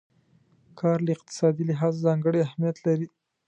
کار له اقتصادي لحاظه ځانګړی اهميت لري.